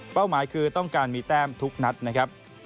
หมายคือต้องการมีแต้มทุกนัดนะครับ